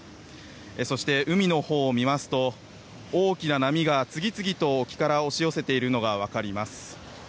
そして海のほうを見ますと大きな波が次々と沖から押し寄せているのが分かります。